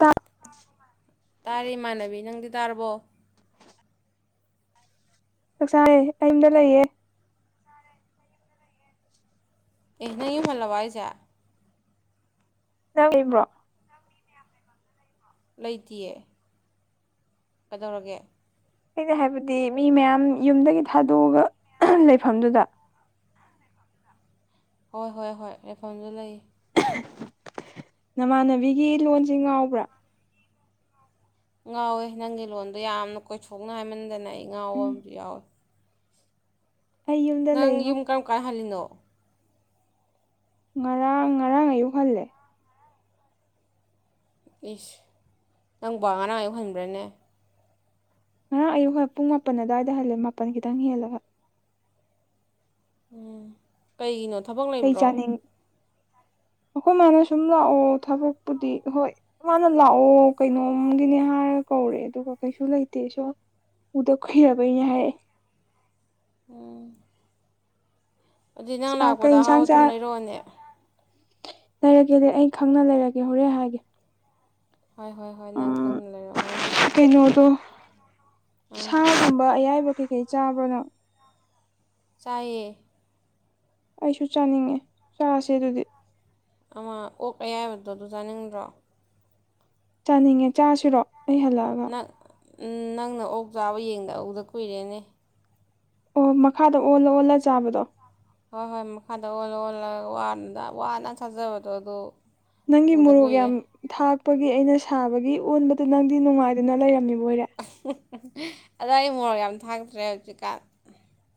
ꯆꯥꯛ ꯇꯥꯏꯌꯦ ꯏꯃꯥꯟꯅꯕꯤ ꯅꯪꯗꯤ ꯇꯥꯔꯕꯣ ꯆꯥꯛꯆꯥꯥꯡꯌꯦ ꯑꯩ ꯌꯨꯝꯗ ꯂꯩꯌꯦ ꯅꯪ ꯌꯨꯝ ꯍꯜꯂꯥꯕꯣ ꯍꯥꯏꯁꯦ ꯇꯔꯤꯕꯔꯣ ꯂꯩꯇꯌꯦ ꯀꯩꯗꯧꯔꯒꯦ ꯑꯩꯅ ꯍꯥꯏꯕꯗꯤ ꯃꯤ ꯃꯌꯥꯝ ꯌꯨꯝꯗꯒꯤ ꯊꯥꯗꯣꯛꯑꯒ ꯂꯩꯐꯝꯗꯨꯗ ꯍꯣꯏ ꯍꯣꯏ ꯍꯣꯏ ꯂꯦꯏꯐꯝꯗꯨꯗꯥ ꯂꯩ ꯅꯃꯥꯟꯅꯕꯤꯒꯤ ꯂꯣꯟꯁꯦ ꯉꯥꯎꯕ꯭ꯔꯥ ꯉꯥꯎꯋꯦ ꯅꯪꯒꯤ ꯂꯣꯟꯗꯣ ꯌꯥꯝꯅ ꯀꯣꯏꯊꯣꯛꯅ ꯍꯥꯏꯃꯟꯗꯅ ꯑꯩ ꯉꯥꯎꯕ ꯎꯝ ꯑꯃꯨ ꯌꯥꯎꯋꯦ ꯑꯩ ꯌꯨꯝꯗ ꯅꯪ ꯂꯩꯉꯣ ꯌꯨꯝ ꯀꯔꯝ ꯀꯥꯟ ꯍꯜꯂꯤꯅꯣ ꯉꯔꯥꯡ ꯉꯔꯥꯡ ꯑꯌꯨꯛ ꯍꯜꯂꯦ ꯏꯁꯁ ꯅꯪ ꯋꯥꯉꯅ ꯌꯧꯍꯟꯕ꯭ꯔꯥꯅꯦ ꯉꯔꯥꯡ ꯑꯌꯨꯛ ꯍꯣꯏ ꯄꯨꯡ ꯃꯥꯄꯟ ꯑꯋꯥꯏꯗ ꯍꯜꯂꯦ ꯃꯥꯄꯜ ꯈꯤꯇꯪ ꯍꯦꯜꯂꯒ ꯎꯝ ꯀꯩꯒꯤꯅꯣ ꯊꯕꯛ ꯀꯩ ꯂꯩꯕ꯭ꯔꯣ ꯆꯥꯅꯤꯡ ꯑꯩꯈꯣꯏ ꯃꯥꯅ ꯁꯨꯝ ꯂꯥꯛꯑꯣ ꯊꯕꯛꯄꯨꯗꯤ ꯍꯣꯏ ꯃꯥꯅ ꯂꯥꯛꯑꯣ ꯀꯩꯅꯣꯝꯒꯤꯅꯤ ꯍꯥꯏꯔ ꯈꯔ ꯀꯧꯔꯦ ꯑꯗꯨꯒ ꯀꯩꯁꯨ ꯂꯩꯇꯦꯁꯨ ꯎꯗ ꯀꯨꯏꯔꯕꯩꯅꯦ ꯍꯥꯏ ꯎꯝ ꯑꯗꯨꯗꯤ ꯅꯪ ꯍꯥꯏꯔꯛꯑꯦ ꯀꯩ ꯂꯥꯛꯄꯗ ꯑꯍꯥꯎ ꯏꯟꯁꯥꯡ ꯑ ꯆꯥ ꯊꯨꯝ ꯂꯩꯔꯛꯑꯣꯅꯦ ꯂꯩꯔꯒꯦꯗꯤ ꯑꯩ ꯈꯪꯅ ꯂꯩꯔꯒꯦ ꯍꯣꯔꯦ ꯍꯥꯏꯒꯦ ꯍꯣꯏ ꯍꯣꯏ ꯍꯣꯏ ꯅꯪ ꯎꯝ ꯈꯪꯅ ꯂꯩꯔꯛꯑꯣ ꯍꯣꯏ ꯅꯍꯣꯏ ꯀꯩꯅꯣꯗꯣ ꯁꯥꯒꯨꯝꯕ ꯑꯌꯥꯏꯕ ꯀꯩꯀꯩ ꯆꯥꯕ꯭ꯔ ꯅꯪ ꯆꯥꯏꯌꯦ ꯑꯩꯁꯨ ꯆꯥꯅꯤꯡꯉꯦ ꯆꯥꯔꯁꯦ ꯑꯗꯨꯗꯤ ꯑꯃ ꯑꯣ ꯀꯌꯥ ꯍꯥꯏꯕꯗꯣ ꯑꯗꯨ ꯆꯥꯅꯤꯡꯗ꯭ꯔꯣ ꯆꯥꯅꯤꯡꯉꯦ ꯆꯥꯁꯤꯔꯣ ꯑꯩ ꯍꯜꯂꯛꯑꯒ ꯅꯪ ꯎꯝ ꯅꯪꯅ ꯑꯣꯛ ꯆꯥꯕ ꯌꯦꯡꯗ ꯎꯗ ꯀꯨꯏꯔꯦꯅꯦ ꯑꯣ ꯃꯈꯥꯗ ꯑꯣꯜꯂ ꯑꯣꯜꯂ ꯆꯥꯕꯗꯣ ꯍꯣꯏ ꯍꯣꯏ ꯃꯈꯥꯗ ꯑꯣꯜꯂ ꯑꯣꯜꯂꯒ ꯋꯥꯅ ꯊꯥꯖꯕꯗꯣ ꯑꯗꯨ ꯅꯪꯒꯤ ꯃꯣꯔꯣꯛ ꯌꯥꯝ ꯊꯥꯛꯄꯒꯤ ꯑꯩꯅ ꯁꯥꯕꯒꯤ ꯑꯣꯟꯕꯗꯨ ꯅꯪꯗꯤ ꯅꯨꯡꯉꯥꯏꯗꯨꯅ ꯂꯩꯔꯝꯃꯤꯕ ꯑꯣꯏꯔꯦ ꯑꯗꯣ ꯑꯩ ꯃꯣꯔ ꯌꯥꯝ ꯊꯥꯛꯇ꯭ꯔꯦ ꯍꯧꯖꯤꯛꯀꯥꯟ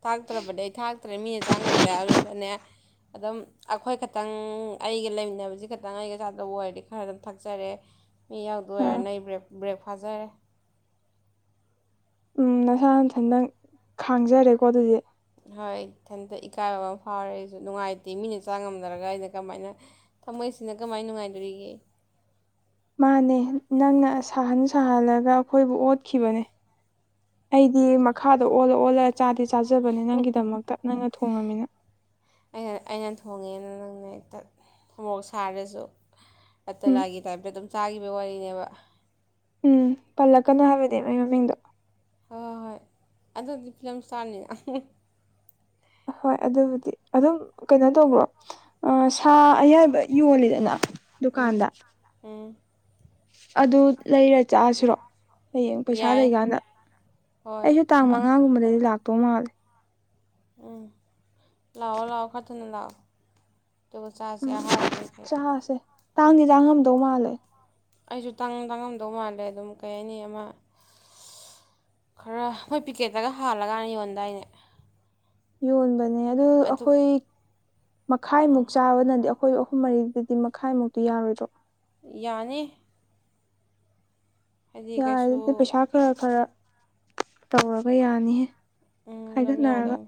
ꯊꯥꯛꯇ꯭ꯔꯕꯗꯤ ꯑꯩ ꯊꯥꯛꯇ꯭ꯔꯦ ꯃꯤꯅ ꯆꯥꯡꯉꯝꯗꯦ ꯑꯗꯨꯗꯅꯦ ꯑꯗꯨꯝ ꯑꯩꯈꯣꯏ ꯈꯛꯇꯪ ꯑꯩꯒ ꯂꯩꯃꯤꯟꯅꯕꯁꯤ ꯈꯛꯇꯪ ꯑꯩꯒ ꯆꯥꯗꯕ ꯑꯣꯏꯔꯗꯤ ꯈꯔ ꯑꯗꯨꯝ ꯊꯛꯆꯔꯦ ꯃꯤ ꯌꯥꯎꯗꯣꯏ ꯑꯣꯏꯔꯦ ꯑꯥ ꯅ ꯑꯩ ꯕꯦꯛ ꯕ꯭ꯔꯦꯛ ꯐꯥꯖꯔꯦ ꯎꯝ ꯅꯁꯥ ꯅꯊꯟ ꯅꯪ ꯈꯥꯡꯖꯔꯦꯀꯣ ꯑꯗꯨꯗꯤ ꯍꯣꯏ ꯏꯊꯟꯇ ꯏꯀꯥꯏꯕ ꯑꯃ ꯐꯥꯎꯔꯦ ꯑꯩꯁꯨ ꯅꯨꯡꯉꯥꯏꯇꯦ ꯃꯤꯅ ꯆꯥ ꯉꯝꯅꯔꯒ ꯑꯩꯅ ꯀꯃꯥꯏꯅ ꯊꯝꯃꯣꯏꯁꯤꯅ ꯀꯃꯥꯏ ꯅꯨꯡꯉꯥꯏꯗꯣꯔꯤꯒꯦ ꯃꯥꯅꯦ ꯅꯪꯅ ꯁꯥꯍꯟ ꯁꯥꯍꯜꯂꯒ ꯑꯩꯈꯣꯏꯕꯨ ꯑꯣꯠꯈꯤꯕꯅꯦ ꯑꯩꯗꯤ ꯃꯈꯥꯗ ꯑꯣꯜꯂ ꯑꯣꯜꯂ ꯆꯥꯗꯤ ꯆꯥꯖꯕꯅꯦ ꯅꯪꯒꯤꯗꯃꯛꯇꯞ ꯅꯪꯅ ꯊꯣꯡꯉꯃꯤꯅ ꯑꯩꯅ ꯑꯩꯅ ꯊꯣꯡꯉꯦꯅ ꯅꯪꯅ ꯍꯦꯛꯇ ꯈꯣꯔꯣꯛ ꯁꯥꯔꯁꯨ ꯎꯝ ꯑꯇꯂꯥꯒꯤ ꯇꯥꯏꯞꯇ ꯑꯗꯨꯝ ꯆꯥꯈꯤꯕꯒꯤ ꯋꯥꯔꯤꯅꯦꯕ ꯎꯝ ꯄꯜꯂꯛꯀꯅꯨ ꯍꯥꯏꯕꯗꯤ ꯃꯣꯏ ꯃꯃꯤꯡꯗꯣ ꯍꯣꯏ ꯍꯣꯏ ꯑꯗꯨꯗꯤ ꯐꯤꯂꯝ ꯏꯁꯇꯥꯔꯅꯤ ꯍꯣꯏ ꯑꯗꯨꯕꯨꯗꯤ ꯑꯗꯨꯝ ꯀꯩꯅꯣ ꯇꯧꯕ꯭ꯔꯣ ꯁꯥ ꯑꯌꯥꯏꯕ ꯌꯣꯜꯂꯤꯗꯅ ꯎꯝ ꯗꯨꯀꯥꯟꯗ ꯎꯝ ꯑꯗꯨ ꯂꯩꯔ ꯆꯠꯂꯁꯤꯔꯣ ꯍꯌꯦꯡ ꯄꯩꯁꯥ ꯌꯥꯏ ꯂꯩꯀꯥꯟꯗ ꯍꯣꯏ ꯑꯩꯁꯨ ꯇꯥꯡ ꯑ- ꯃꯉꯥꯒꯨꯝꯕꯗꯗꯤ ꯂꯥꯛꯇꯧ ꯃꯥꯜꯂꯦ ꯎꯝ ꯂꯑꯣ ꯂꯑꯣ ꯈꯔꯗꯅ ꯂꯥꯛꯑꯣ ꯇ ꯎ ꯆꯔ ꯁ ꯎꯝ ꯌꯥꯍ ꯍꯧꯒꯀ ꯆꯥꯁꯦ ꯇꯥꯡꯗꯤ ꯇꯥꯡꯉꯝꯗꯧ ꯃꯥꯜꯂꯦ ꯑꯩꯁꯨ ꯇ ꯇꯥꯡꯉꯝꯗꯧ ꯃꯥꯜꯂꯦ ꯑꯗꯨꯝ ꯀꯩ ꯍꯥꯏꯅꯤ ꯑꯃ ꯈꯔ ꯃꯣꯏ ꯄꯤꯀꯦꯠꯇꯒ ꯍꯥꯜꯂꯀꯥꯟꯅꯤ ꯌꯣꯟꯗꯥꯏꯅꯦ ꯌꯣꯟꯕꯅꯦ ꯑꯗꯨ ꯑꯩꯈꯣꯏ ꯃꯈꯥꯏꯃꯨꯛ ꯆꯥꯕꯅꯗꯤ ꯑꯩꯈꯣꯏ ꯑꯍꯨꯝ ꯃꯔꯤꯗꯗꯤ ꯃꯈꯥꯏꯃꯨꯛꯇꯨ ꯌꯥꯔꯣꯏꯗ꯭ꯔꯣ ꯌꯥꯅꯤ ꯍꯥꯏꯗꯤ ꯌꯥꯔꯦ ꯀꯩꯁꯨ ꯑꯗꯨꯗꯤ ꯄꯩꯁꯥ ꯈꯔ ꯈꯔ ꯇꯧꯔꯒ ꯌꯥꯅꯤꯍꯦ ꯎꯝ ꯑꯗꯨꯝ ꯈꯥꯏꯒꯠꯅꯔꯒ ꯌꯥꯗꯧ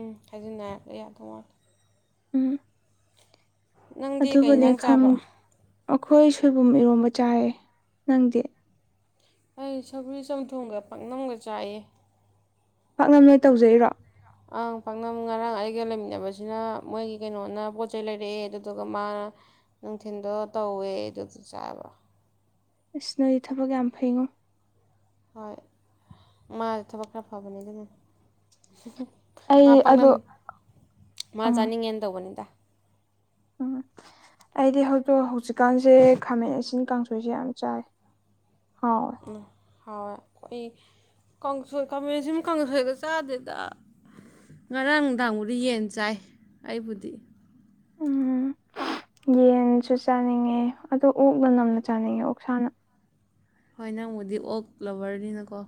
ꯎꯝ ꯍꯥꯏꯖꯤꯟꯅꯔꯛꯂꯦ ꯌꯥꯗꯧ ꯃꯥꯜꯂꯦ ꯎꯝ ꯅꯪꯗꯤ ꯀꯩ ꯑꯗꯨꯕꯨꯅꯦ ꯏꯟꯁꯥꯡ ꯈꯪ ꯆꯥꯕ ꯑꯩꯈꯣꯏ ꯁꯣꯏꯕꯨꯝ ꯏꯔꯣꯝꯕ ꯆꯥꯏꯌꯦ ꯅꯪꯗꯤ ꯑꯩ ꯁꯕꯨꯔꯤ ꯆꯝꯊꯣꯡꯒ ꯄꯥꯛꯅꯝꯒ ꯆꯥꯏꯌꯦ ꯄꯥꯛꯅꯝ ꯅꯣꯏ ꯇꯧꯖꯩꯔꯣ ꯑꯪ ꯄꯥꯛꯅꯝ ꯉꯔꯥꯡ ꯑꯩꯒ ꯂꯩꯃꯤꯟꯅꯕꯁꯤꯅ ꯃꯣꯏꯒꯤ ꯀꯩꯅꯣꯅ ꯄꯣꯠ ꯆꯩꯩ ꯂꯩꯔꯛꯑꯦ ꯑꯗꯨꯗꯨꯒ ꯃꯥꯅ ꯅꯨꯡꯊꯤꯤꯟꯗꯣ ꯇꯧꯋꯦ ꯑꯗꯨꯗꯨ ꯆꯥꯕ ꯏꯁꯁ ꯅꯣꯗꯤ ꯊꯕꯛ ꯌꯥꯝ ꯐꯩꯉꯣ ꯍꯣꯏ ꯃꯥ ꯊꯕꯛ ꯈꯔ ꯐꯕꯅꯦ ꯑꯗꯨꯅ ꯃꯥ ꯑꯩ ꯑꯗꯣ ꯄꯥꯛꯅꯝ ꯃꯥ ꯑꯥ ꯆꯥꯅꯤꯡꯉꯦꯅ ꯇꯧꯕꯅꯤꯗ ꯎꯝ [unintelligible] ꯑꯩꯗꯤ ꯍꯧꯖꯤꯛꯇꯛ ꯍꯧꯖꯤꯛꯀꯥꯟꯁꯦ ꯈꯥꯃꯦꯟ ꯏꯤꯟ ꯀꯥꯡꯁꯣꯏꯁꯦ ꯌꯥꯝ ꯆꯥꯏ ꯍꯥꯎꯋꯦ ꯎ ꯍꯋꯥ ꯑꯩꯈ ꯀꯥꯡꯁꯣꯏ ꯈꯥꯃꯦꯟꯁꯤꯃ ꯀꯥꯡꯁꯣꯏꯒ ꯆꯥꯗꯦꯗ ꯉꯔꯥꯡ ꯅꯨꯡꯗꯥꯡꯕꯨꯗꯤ ꯌꯦꯟ ꯆꯥꯏ ꯑꯩꯕꯨꯗꯤ ꯎꯝ ꯌꯦꯟꯁꯨ ꯆꯥꯅꯤꯡꯉꯦ ꯑꯗꯣ ꯑꯣꯛꯅ ꯅꯝꯅ ꯆꯥꯅꯤꯡꯉꯦ ꯑꯣꯛꯁꯥꯅ ꯍꯣꯏ ꯅꯪꯕꯨꯗꯤ ꯑꯣꯛ ꯀ꯭ꯂꯕꯔꯅꯤꯅꯀꯣ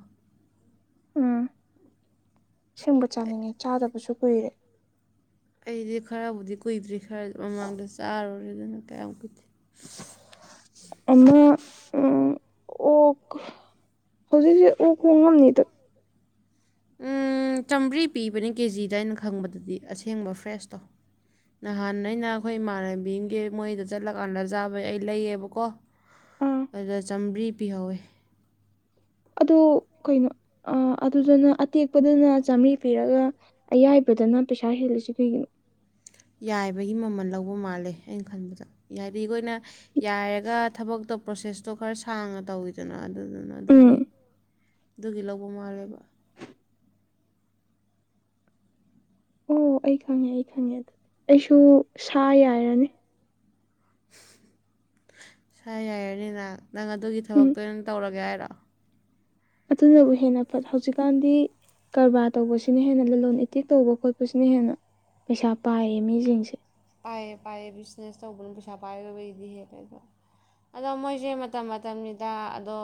ꯎꯝ ꯁꯤꯡꯕ ꯆꯥꯅꯤꯡꯉꯦ ꯆꯥꯗꯕꯁꯨ ꯀꯨꯏꯔꯦ ꯑꯩꯗꯤ ꯈꯔꯕꯨꯗꯤ ꯀꯨꯏꯗ꯭ꯔꯤ ꯈꯔ ꯃꯃꯥꯡꯗ ꯆꯥꯔꯨꯔꯦ ꯑꯗꯨꯅ ꯀꯌꯥꯝ ꯀꯨꯏꯗꯦ ꯑꯃ ꯎꯝ ꯑꯣ ꯍꯧꯖꯤꯛ ꯍꯧꯖꯤꯛ ꯑꫭꯛ ꯍꫭꯡꯉꯝꯅꯤꯗ ꯎꯝ ꯆꯥꯝꯃ꯭ꯔꯤ ꯄꯤꯕꯅꯦ ꯀꯦꯖꯤꯗ ꯑꯩꯅ ꯈꯪꯕꯗꯗꯤ ꯑꯁꯦꯡꯕ ꯐ꯭ꯔꯦꯁꯇꯣ ꯅꯍꯥꯟ ꯑꯩꯅ ꯑꯩꯈꯣꯏ ꯏꯃꯥꯟꯅꯕꯤꯒꯤ ꯃꯣꯏꯗ ꯆꯠꯂꯀꯥꯟꯗ ꯆꯥꯕꯩ ꯑꯩ ꯂꯩꯌꯦꯕꯀꯣ ꯑꯥ ꯑꯗ ꯆꯥꯝꯃꯔꯤ ꯄꯤꯍꯧꯋꯦ ꯑꯗꯨ ꯀꯩꯅꯣ ꯑꯗꯨꯗꯨꯅ ꯑꯇꯦꯛꯄꯗꯨꯅ ꯆꯥꯃꯔꯤ ꯄꯤꯔꯒ ꯑꯌꯥꯏ ꯐ꯭ꯔꯖꯅ ꯄꯩꯁꯥ ꯍꯦꯜꯂꯁꯤ ꯀꯩꯒꯤꯅꯣ [unintelligible] ꯌꯥꯏꯕꯒꯤ ꯃꯃꯜ ꯂꯧꯕ ꯃꯥꯜꯂꯦ ꯑꯩꯅ ꯈꯟꯕꯗ ꯍꯥꯏꯗꯤ ꯑꯩꯈꯣꯏꯅ ꯌꯥꯏꯔꯒ ꯊꯕꯛꯇꯣ ꯄ꯭ꯔꯣꯁꯦꯁꯇꯣ ꯈꯔ ꯁꯥꯡꯅ ꯇꯧꯋꯤꯗꯅ ꯑꯗꯨꯗꯨꯅ ꯎꯝ ꯑꯗꯨꯒꯤ ꯑꯗꯨꯒꯤ ꯂꯧꯕ ꯃꯥꯜꯂꯦꯕ ꯑꯣ ꯑꯩ ꯈꯪꯉꯦ ꯑꯩ ꯈꯪꯉꯦ ꯑꯗꯨꯗꯤ ꯑꯩꯁꯨ ꯁꯥ ꯌꯥꯏꯔꯅꯤ ꯁꯥ ꯌꯥꯏꯔꯅꯤꯅ ꯅꯪ ꯑꯗꯨꯒꯤ ꯎꯝ ꯊꯕꯛꯇꯣ ꯑꯣꯏꯅ ꯇꯧꯔꯒꯦ ꯍꯥꯏꯔ [inaudible] ꯑꯗꯨꯅꯕꯨ ꯍꯦꯟꯅ ꯐꯠ ꯍꯧꯖꯤꯛꯀꯥꯟꯗꯤ ꯀꯔꯕꯥꯔ ꯇꯧꯕꯁꯤꯅ ꯍꯦꯟꯅ ꯂꯂꯣ ꯏꯇꯤꯛ ꯇꯧꯕ ꯈꯣꯠꯄꯁꯤꯅ ꯍꯦꯟꯅ ꯄꯩꯁꯥ ꯄꯥꯏꯌꯦ ꯃꯤꯁꯤꯡꯁꯦ ꯄꯥꯏꯌꯦ ꯄꯥꯏꯌꯦ ꯕꯤꯖꯤꯅꯦꯁ ꯇꯧꯕꯅ ꯄꯩꯁꯥ ꯄꯥꯏꯔꯗꯕꯒꯤꯗꯤ ꯍꯦꯜꯂꯦ ꯑꯗꯣ ꯑꯗꯣ ꯃꯣꯏꯁꯦ ꯃꯇꯝ ꯃꯇꯝꯒꯤꯗ ꯑꯗꯣ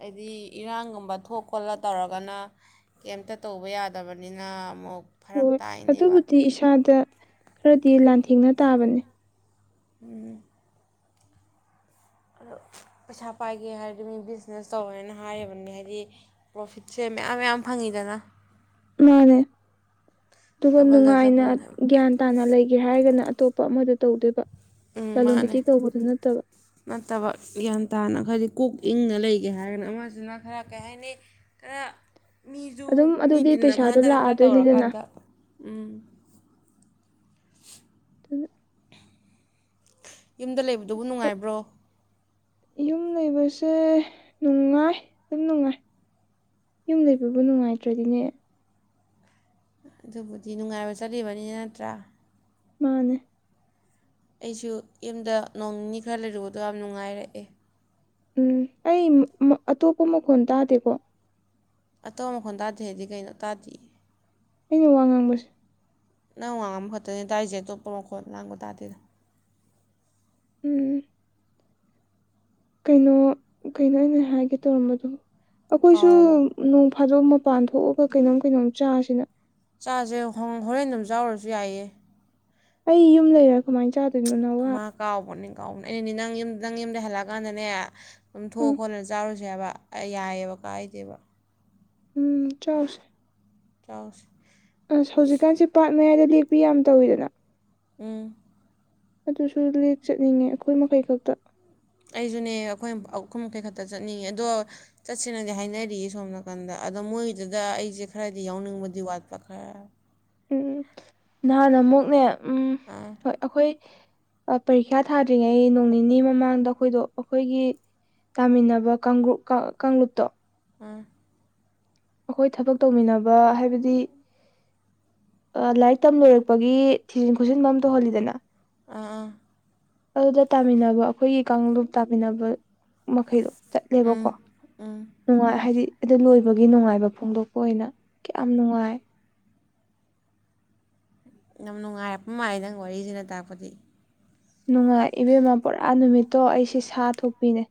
ꯍꯥꯏꯗꯤ ꯏꯔꯥꯡꯒꯨꯝꯕ ꯊꯣꯛ ꯈꯣꯠꯂ ꯇꯧꯔ ꯇꯧꯔꯒꯅ ꯀꯩꯇ ꯇꯧꯕ ꯌꯥꯗꯕꯅꯤꯅ ꯑꯃꯨꯛ ꯐꯔꯛ ꯍꯣꯏ ꯇꯥꯏꯅꯦꯕ ꯑꯗꯨꯕꯨꯗꯤ ꯏꯁꯥꯗ ꯈꯔꯗꯤ ꯂꯥꯟꯊꯦꯡꯅ ꯇꯥꯕꯅꯦ ꯎꯝ ꯑꯣ ꯄꯩꯁꯥ ꯄꯥꯏꯒꯦ ꯍꯥꯏꯔꯗꯤ ꯃꯤ ꯕꯤꯖꯤꯅꯦꯁ ꯇꯧꯋꯦꯅ ꯍꯥꯏꯌꯦꯕꯅꯤ ꯍꯥꯏꯗꯤ ꯄ꯭ꯔꯣꯐꯤꯠ ꯁꯦꯝ ꯃꯌꯥꯝ ꯃꯌꯥꯝ ꯐꯪꯉꯤꯗꯅ ꯃꯥꯅꯦ ꯑꯗꯨꯒ ꯗꯕꯜꯗ ꯅꯨꯡꯉꯥꯏꯅ ꯗꯕꯜꯅꯦꯕ ꯒ꯭ꯌꯥꯟ ꯇꯥꯅ ꯂꯩꯒꯦ ꯍꯥꯏꯔꯒꯅ ꯑꯇꯣꯞꯄ ꯑꯃꯗ ꯇꯧꯗꯣꯏꯕ ꯎꯝ ꯂꯂꯣꯟ ꯃꯥꯅꯦ ꯏꯇꯤꯛ ꯇꯧꯕꯗꯨ ꯅꯠꯇꯕ ꯅꯠꯇꯕ ꯒ꯭ꯌꯥꯟ ꯇꯥꯅꯈꯔꯗꯤ ꯀꯣꯛ ꯏꯪꯅ ꯂꯩꯒꯦ ꯍꯥꯏꯔꯒꯅ ꯑꯃꯁꯁꯤꯅ ꯈꯔ ꯀꯔꯤ ꯍꯥꯏꯅꯤ ꯈꯔ ꯃꯤꯁꯨ ꯑꯗꯨꯝ ꯃꯤ ꯑꯗꯨꯗꯤ ꯇꯤꯟꯅ ꯄꯩꯁꯥꯗꯣ ꯈꯣꯟꯗꯅ ꯈꯔ ꯂꯥꯛꯑꯗꯣꯏꯅꯤꯗꯅ ꯇꯧꯔꯀꯥꯟꯗ ꯎꯝ ꯑꯗꯨ ꯌꯨꯝꯗ ꯂꯩꯕꯗꯨꯕꯨ ꯑꯁ ꯅꯨꯡꯉꯥꯏꯕ꯭ꯔꯣ ꯌꯨꯝ ꯂꯩꯕꯁꯦ ꯅꯨꯡꯉꯥꯏ ꯑꯗꯨꯝ ꯅꯨꯡꯉꯥꯏ ꯌꯨꯝ ꯂꯩꯕꯕꯨ ꯅꯨꯡꯉꯥꯏꯇ꯭ꯔꯗꯤꯅꯦ ꯑꯗꯨꯕꯨꯗꯤ ꯅꯨꯡꯉꯥꯏꯕ ꯆꯠꯂꯤꯕꯅꯤꯅ ꯅꯠꯇ꯭ꯔꯥ ꯃꯥꯅꯦ ꯑꯩꯁꯨ ꯌꯨꯝꯗ ꯅꯣꯡ ꯅꯤꯅꯤ ꯈꯔ ꯂꯩꯔꯨꯕꯗꯣ ꯌꯥꯝ ꯅꯨꯡꯉꯥꯏꯔꯛꯑꯦ ꯎꯝ ꯑꯩ ꯑꯇꯣꯞꯄ ꯃꯈꯣꯟ ꯇꯥꯗꯦꯀꯣ ꯑꯇꯣꯞꯄ ꯃꯈꯣꯟꯜ ꯇꯥꯗꯦ ꯍꯥꯏꯗꯤ ꯀꯩꯅꯣ ꯇꯥꯗꯦ ꯑꯩꯅ ꯋꯥ ꯉꯥꯡꯕꯁꯦ ꯅꯪ ꯋꯥꯡꯉꯕ ꯈꯣꯠꯇꯅꯤ ꯗꯥꯏꯁꯦꯇꯣꯞꯄꯔꯣ ꯈꯣꯠ ꯂꯥꯡꯕ ꯇꯥꯗꯦꯗ ꯎꯝ ꯀꯩꯅꯣ ꯀꯩꯅꯣ ꯑꯩꯅ ꯍꯥꯏꯒꯦ ꯇꯧꯔꯝꯕꯗꯣ ꯑꯩꯈꯣꯏꯁꯨ ꯀꯥꯎꯔꯕꯣ ꯐꯥꯗꯣꯛꯝ ꯃꯄꯥꯟ ꯊꯣꯛꯑꯒ ꯀꯩꯅꯣꯝ ꯀꯩꯅꯣꯝ ꯆꯥꯁꯤꯅ ꯆꯥꯁꯦ ꯍꯣꯔꯦꯟ ꯑꯗꯨꯝ ꯆꯥꯎꯔꯁꯨ ꯌꯥꯏꯌꯦ ꯑꯩ ꯌꯨꯝ ꯂꯩꯔꯦ ꯈꯨꯃꯥꯏ ꯆ ꯃꯥ ꯀꯥꯎꯕꯅꯦ ꯀꯥꯎꯕ ꯑꯦꯅꯦ ꯅꯪ ꯌꯨꯝꯗ ꯅꯪ ꯌꯨꯝꯗꯩ ꯍꯜꯂꯛꯑꯀꯥꯟꯗꯅꯦ ꯑꯗꯨꯝ ꯎꯝ ꯊꯣꯛꯑ ꯈꯣꯠꯂꯒ ꯆꯥꯔꯨꯁꯦ ꯍꯥꯏꯕ ꯌꯥꯏꯑꯕ ꯀꯥꯥꯏꯗꯦꯕ ꯎꯝ ꯆꯠꯁꯦ ꯌꯥꯁꯤ ꯑꯁ ꯍꯧꯖꯤꯛꯀꯥꯟꯁꯦ ꯄꯥꯔꯠ ꯃꯌꯥꯏꯗ ꯂꯦꯛꯄꯤ ꯌꯥꯝ ꯇꯧꯋꯤꯗꯅ ꯎꯝ ꯑꯗꯨꯁꯨ ꯂꯦ ꯆꯠꯅꯤꯡꯉꯦ ꯑꯩꯈꯣꯏ ꯃꯈꯩ ꯈꯛꯇ ꯀꯁꯨꯅꯦ ꯑꯩꯈꯣꯏꯈꯨꯝ ꯃꯈꯩ ꯈꯛꯇ ꯆꯠꯅꯤꯡꯉꯦ ꯑꯗꯣ ꯆꯠꯁꯦꯅꯗꯤ ꯍꯥꯏꯅꯔꯤꯌꯦ ꯁꯣꯝ ꯅꯥꯀꯟꯗ ꯑꯣ ꯃꯣꯏ ꯑꯗꯨꯏꯗꯨꯗ ꯑꯩꯁꯦ ꯈꯔꯗꯤ ꯌꯥꯎꯅꯤꯡꯕꯗꯤ ꯋꯥꯠꯄ ꯈꯔ ꯎꯝ ꯅꯍꯥꯟꯥꯟ ꯑꯃꯨꯛꯅꯦ ꯎꯝ ꯑꯥ ꯍꯣꯏ ꯑꯩꯈꯣꯏ ꯄꯔꯤꯈ꯭ꯌꯥ ꯊꯥꯗ꯭ꯔꯤꯉꯩ ꯅꯣꯡ ꯅꯤꯅꯤ ꯃꯃꯥꯡꯗ ꯑꯩꯈꯣꯏꯗꯣ ꯑꯩꯈꯣꯏꯒꯤ ꯇꯥꯃꯤꯟꯅꯕ ꯀꯥꯡꯂꯨꯞ ꯀꯥꯡꯂꯨꯞꯇꯣ ꯑꯥ ꯑꯩꯈꯣꯏ ꯊꯕꯛ ꯇꯧꯃꯤꯟꯅꯕ ꯍꯥꯏꯕꯗꯤ ꯂꯥꯏꯔꯤꯛ ꯇꯝ ꯂꯣꯏꯔꯛꯄꯒꯤ ꯊꯤꯖꯤꯟ ꯈꯣꯠꯆꯤꯟꯕ ꯑꯃ ꯇꯧꯍꯜꯂꯤꯗꯅ ꯑꯥꯥ ꯑꯗꯨꯗ ꯇꯥꯃꯤꯟꯅꯕ ꯑꯩꯈꯣꯏꯒꯤ ꯀꯥꯡꯂꯨꯞ ꯇꯥꯃꯤꯟꯅꯕ ꯃꯈꯩꯗꯣ ꯎꯝ ꯆꯠꯂꯦꯕꯀꯣ ꯎꯝ ꯅꯨꯡꯉꯥꯏ ꯍꯥꯏꯗꯤ ꯑꯗꯨ ꯂꯣꯏꯕꯒꯤ ꯅꯨꯡꯉꯥꯏꯕ ꯐꯣꯡꯗꯣꯛꯄ ꯑꯣꯏꯅ ꯀꯌꯥꯝ ꯅꯨꯡꯉꯥꯏ ꯌꯥꯝ ꯅꯨꯡꯉꯥꯏꯔꯛꯄ ꯃꯥꯜꯦ ꯅꯪ ꯋꯥꯔꯤꯁꯤꯅ ꯇꯥꯛꯔꯄꯗꯤ ꯅꯨꯡꯉꯥꯏ ꯏꯕꯦꯝꯃ ꯄꯨꯔꯥ ꯅꯨꯃꯤꯠꯇꯣ ꯑꯩꯁꯦ ꯁꯥ ꯊꯣꯛꯄꯤꯅꯦ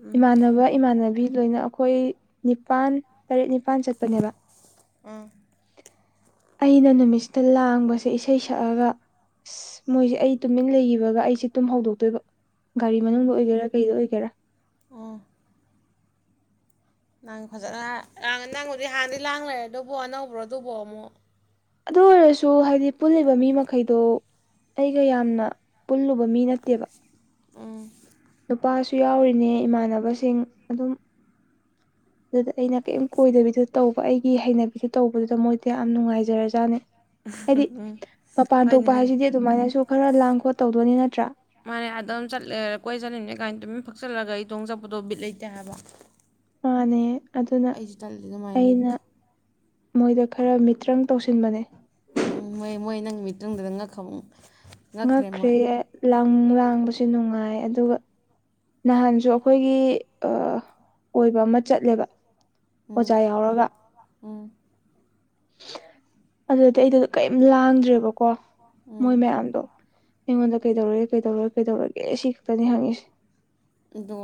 ꯎꯝ ꯏꯃꯥꯟꯅꯕ ꯏꯃꯥꯟꯅꯕꯤ ꯂꯣꯏꯅ ꯑꯩꯈꯣꯏ ꯅꯤꯄꯥꯜ ꯇꯔꯦꯠ ꯅꯤꯜ ꯏꯝꯐꯥꯟ ꯆꯠꯄꯅꯦꯕ ꯎꯝ ꯑꯩꯅ ꯅꯨꯃꯤꯠꯁꯤꯗ ꯂꯥꯡꯕꯁꯦ ꯏꯁꯩ ꯁꯛꯑꯒ ꯑꯁ ꯃꯣꯏꯁꯦ ꯑꯩ ꯇꯨꯃꯤꯟ ꯂꯩꯈꯤꯕꯒ ꯑꯩꯁꯦ ꯇꯨꯝ ꯍꯧꯗꯣꯛꯇꯣꯏꯕ ꯒꯥꯔꯤ ꯎꯝ ꯃꯅꯨꯡꯗ ꯑꯣꯏꯒꯦꯔꯥ ꯀꯩꯗ ꯑꯣꯏꯒꯦꯔꯥ ꯑꯣ ꯅꯪ ꯐꯖꯅ ꯅꯪꯕꯨꯗꯤ ꯍꯥꯟꯗꯤ ꯂꯥꯡ ꯂꯩꯔꯦ ꯑꯗꯨꯕꯣ ꯑꯅꯧꯕ꯭ꯔꯣ ꯑꯗꯨꯕꯣ ꯑꯃꯨꯛ ꯑꯗꯨ ꯑꯣꯏꯔꯁꯨ ꯍꯥꯏꯗꯤ ꯄꯨꯜꯂꯤꯕ ꯃꯤ ꯃꯈꯩꯗꯣ ꯑꯩꯒ ꯌꯥꯝꯅ ꯄꯨꯜꯂꯨꯕ ꯃꯤ ꯅꯠꯇꯦꯕ ꯎꯝ ꯅꯨꯄꯥꯁꯨ ꯌꯥꯎꯔꯤꯅꯦ ꯏꯃꯥꯟꯅꯕꯁꯤꯡ ꯑꯗꯨꯝ ꯑꯗꯨꯗ ꯑꯩꯅ ꯀꯔꯤꯝ ꯀꯣꯏꯗꯕꯤꯗ ꯇꯧꯕ ꯑꯩꯒꯤ ꯍꯩꯅꯕꯤꯗꯨ ꯇꯧꯕꯗꯨꯗ ꯃꯣꯏꯗꯤ ꯌꯥꯝ ꯅꯨꯡꯉꯥꯏꯖꯔꯖꯥꯠꯅꯤ ꯍꯥꯏꯗꯤ ꯎꯝ ꯃꯄꯥꯟ ꯍꯣꯏꯅꯦ ꯊꯣꯛꯄ ꯍꯣꯏꯅꯦ ꯍꯥꯏꯁꯤꯗꯤ ꯑꯗꯨꯃꯥꯏꯅꯁꯨ ꯈꯔ ꯂꯥꯡ ꯈꯣꯠ ꯇꯧꯗꯣꯏꯅꯤ ꯅꯠꯇ꯭ꯔꯥ ꯃꯥꯅꯦ ꯑꯗꯨꯝ ꯆꯠꯂꯦ ꯀꯣꯏ ꯆꯠꯂꯤꯅꯦ ꯀꯥꯏꯅ ꯇꯨꯃꯤꯟ ꯐꯛꯆꯜꯂꯒ ꯏꯇꯣꯡ ꯆꯠꯄꯗꯣ ꯕꯤꯠ ꯂꯩꯇꯦ ꯍꯥꯏꯕ ꯅꯦ ꯑꯩꯁꯨ ꯇꯜꯗꯤ ꯑꯗꯨꯃꯥꯏꯅ ꯂꯩꯕꯗꯣ ꯃꯣꯏꯗ ꯈꯔ ꯃꯤꯇ꯭ꯔꯪ ꯇꯧꯁꯤꯟꯕꯅꯦ ꯃꯤꯇ꯭ꯔꯪꯗꯨꯔꯉ ꯈꯕꯨꯡ ꯉꯛꯈ꯭ꯔꯦ ꯂꯪ ꯂꯥꯡꯕꯁꯦ ꯅꯨꯡꯉꯥꯏ ꯑꯗꯨꯒ ꯅꯍꯥꯟꯁꯨ ꯑꯩꯈꯣꯏꯒꯤ ꯑꯣꯏꯕ ꯑꯃ ꯆꯠꯂꯦꯕ ꯎꯝ ꯑꯣꯖꯥ ꯌꯥꯎꯔꯒ ꯎꯝ ꯑꯗꯨꯗꯤ ꯑꯩꯗꯗ ꯀꯔꯤꯝ ꯂꯥꯡꯗ꯭ꯔꯦꯕꯀꯣ ꯎꯝ ꯃꯣꯏ ꯃꯌꯥꯝꯗꯣ ꯑꯩꯉꯣꯟꯗ ꯀꯩꯗꯧꯔꯒꯦ ꯀꯩ ꯇꯧꯔꯒꯦ ꯀꯩ ꯇꯧꯔꯒꯦ ꯁꯤ ꯈꯛꯇꯅꯤ ꯍꯪꯉꯤꯁꯦ ꯑꯗꯣ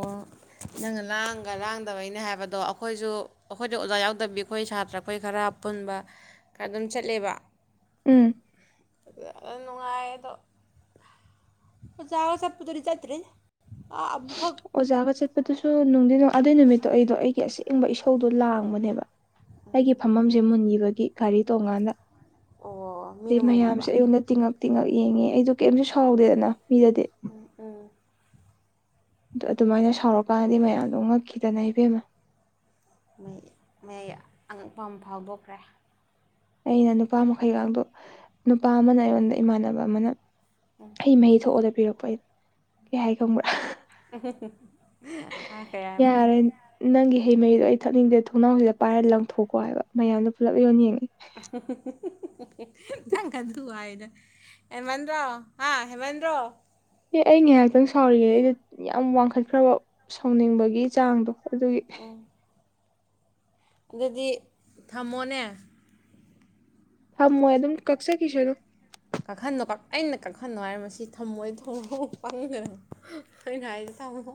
ꯅꯪꯅ ꯂꯥꯡꯒ ꯂꯥꯡꯗꯕꯩꯅꯦ ꯍꯥꯏꯕꯗꯣ ꯑꯩꯈꯣꯏꯁꯨ ꯑꯩꯈꯣꯏꯁꯨ ꯑꯣꯖꯥ ꯌꯥꯎꯗꯕꯤ ꯑꯩꯈꯣꯏ ꯁꯥꯇ꯭ꯔ ꯑꯩꯈꯣꯏ ꯈꯔ ꯑꯄꯨꯟꯕ ꯈꯔ ꯑꯗꯨꯝ ꯆꯠꯂꯦꯕ ꯎꯝ ꯅꯨꯡꯉꯥꯏꯗꯣ ꯖꯒ ꯆꯠꯄꯗꯨꯔꯤ ꯆ꯭ꯔꯦ ꯑꯣꯖꯒ ꯆꯦꯠꯄꯗꯨꯁꯨ ꯅꯨꯡꯗꯤ ꯑꯗꯨꯏ ꯅꯨꯃꯤꯠꯇꯣ ꯑꯩꯗꯣ ꯑꯩꯒꯤ ꯑꯁꯦꯡꯕ ꯏꯁꯧꯗꯣ ꯂꯥꯡꯕꯅꯦꯕ ꯑꯩꯒꯤ ꯐꯝꯐꯝꯝꯁꯦ ꯃꯨꯟꯈꯤꯕꯒꯤ ꯒꯥꯔꯤ ꯇꯣꯡꯀꯥꯟꯗ ꯑꯣ ꯑꯗꯩ ꯃꯤꯅ ꯃꯨꯟꯕꯤꯕ ꯃꯌꯥꯝꯁꯦ ꯑꯩꯉꯣꯟꯗ ꯇꯤꯉꯛ ꯇꯤꯡꯉꯛ ꯌꯦꯡꯉꯦ ꯑꯩꯗꯣ ꯀꯩꯝꯁꯨ ꯁꯥꯎꯗꯦꯗꯅ ꯃꯤꯗꯗꯤ ꯎꯝ ꯎꯝ ꯑꯗꯨ ꯑꯗꯨꯃꯥꯏꯅ ꯁꯥꯎꯔꯀꯥꯟꯗꯗꯤ ꯃꯌꯥꯝꯗꯣ ꯉꯛꯈꯤꯗꯅ ꯏꯕꯦꯝꯃ ꯃ ꯃꯌꯥ ꯑꯉꯛꯄ ꯑꯃ ꯐꯥꯎꯗꯣꯛꯈ꯭ꯔꯦ ꯑꯩꯅ ꯅꯨꯄꯥ ꯃꯈꯩꯒꯗꯨ ꯅꯨꯄꯥ ꯑꯃꯅ ꯑꯩꯉꯣꯟꯗ ꯏꯃꯥꯟꯅꯕ ꯑꯃꯅ ꯑꯩ ꯃꯍꯤ ꯊꯣꯛꯑꯗ ꯄꯤꯔꯛꯄ ꯑꯩꯅ ꯀꯩ ꯍꯥꯏ ꯈꯪꯕ꯭ꯔꯥ [unintelligible] ꯍꯥꯏꯕꯅꯣ ꯌꯥꯔꯦ ꯅꯪꯒꯤ ꯍꯩ ꯃꯍꯤꯗꯣ ꯑꯩ ꯊꯛꯅꯤꯡꯗꯦ ꯊꯣꯡꯅꯥꯎꯁꯤꯗ ꯄꯥꯏꯔꯒ ꯂꯪꯊꯣꯛꯀꯣ ꯍꯥꯏꯕ ꯃꯌꯥꯝꯗꯣ ꯄꯨꯂꯞ ꯌꯣꯟ ꯌꯦꯡꯉꯦ ꯅꯪ ꯀꯟꯊꯣꯛꯑꯣ ꯍꯥꯏꯗ ꯍꯦꯃꯟꯗꯔꯣ ꯍꯦꯃꯟꯗꯔꯣ ꯍꯦꯃꯟꯗꯔꯣ ꯑꯦ ꯑꯩ ꯉꯥꯏꯍꯥꯛꯇꯪ ꯁꯥꯎꯔꯤꯉꯦ ꯑꯩꯗ ꯌꯥꯝ ꯋꯥꯡꯈꯠꯈ꯭ꯔꯕ ꯁꯥꯎꯅꯤꯡꯕꯒꯤ ꯆꯥꯡꯗꯣ ꯑꯗꯨꯒꯤ ꯎꯝ ꯑꯗꯨꯗꯤ ꯊꯝꯃꯣꯅꯦ ꯍꯥ ꯃꯣ ꯑꯗꯨꯝ ꯀꯛꯁꯦ ꯀꯤꯁꯗꯣ ꯀꯥꯈꯟꯣ ꯑꯩꯅ ꯀꯥꯈꯟꯅꯣ ꯍꯥꯏꯔ ꯃꯁꯤ ꯊꯝꯃꯣꯏ ꯊꯣꯡ ꯄꯪꯗ ꯊꯅ ꯍꯥꯏꯔꯤꯁꯦ ꯊꯕꯔꯥ